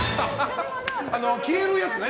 消えるやつね。